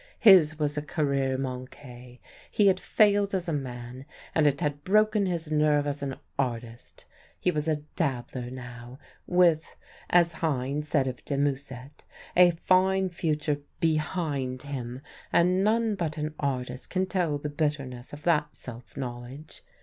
His was a career manque: he had failed as a man, and it had broken his nerve as an artist. He was a dabbler now, with as Heine said of de Musset a fine future behind him, and none but an artist can tell the bitterness of that self knowledge.